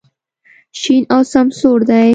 شین او سمسور دی.